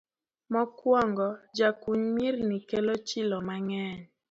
Mokwongo, jakuny mirni kelo chilo mang'eny